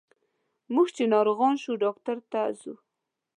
موږ چې ناروغان شو ډاکټر ته ځو.